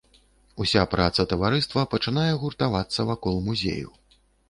Уся праца таварыства пачынае гуртавацца вакол музею.